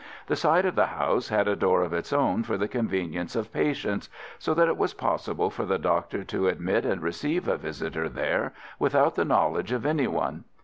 This side of the house had a door of its own for the convenience of patients, so that it was possible for the doctor to admit and receive a visitor there without the knowledge of any one.